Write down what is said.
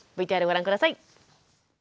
ＶＴＲご覧下さい。